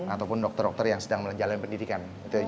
ataupun dokter dokter yang sedang menjalani pendidikan